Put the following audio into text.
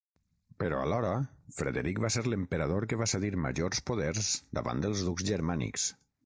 Però alhora, Frederic va ser l'emperador que va cedir majors poders davant dels ducs germànics.